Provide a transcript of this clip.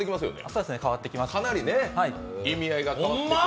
そうですね、変わってきます。